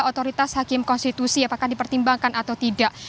kembali kepada prioritas hakim konstitusi apakah dipertimbangkan atau tidak